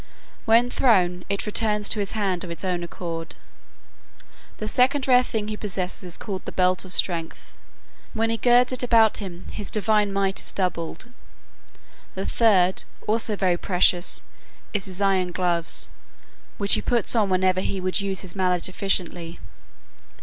When thrown, it returns to his hand of its own accord. The second rare thing he possesses is called the belt of strength. When he girds it about him his divine might is doubled. The third, also very precious, is his iron gloves, which he puts on whenever he would use his mallet efficiently.